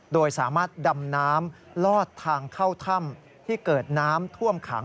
โดยสามารถดำน้ำลอดทางเข้าถ้ำที่เกิดน้ำท่วมขัง